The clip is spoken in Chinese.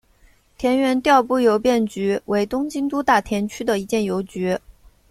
田园调布邮便局为东京都大田区的一间邮局。